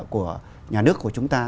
của nhà nước của chúng ta